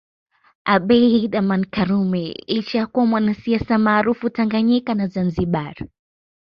Abeid Amani karume licha ya kuwa mwanasiasa maarufu Tanganyika na Zanzibar